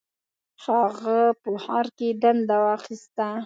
هغه په ښار کې دنده واخیسته.